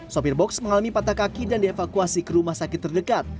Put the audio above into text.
sopir box mengalami patah kaki dan dievakuasi ke rumah sakit terdekat